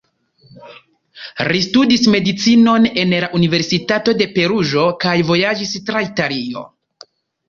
Li studis medicinon en la Universitato de Peruĝo kaj vojaĝis tra Italio.